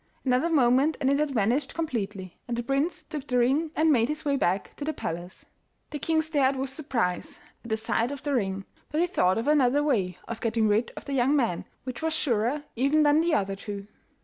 Another moment and it had vanished completely, and the prince took the ring and made his way back to the palace. The king stared with surprise at the sight of the ring, but he thought of another way of getting rid of the young man which was surer even than the other two.